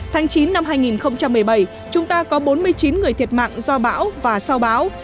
tháng chín năm hai nghìn một mươi bảy chúng ta có bốn mươi chín người thiệt mạng do bão và sau bão